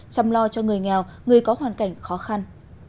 chăm lo cho người nghèo người có hoàn cảnh khó khăn